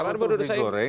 malah menurut saya